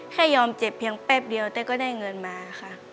แค่ยอมเจ็บเพียงแป๊บเดียวแต่ก็ได้เงินมาค่ะ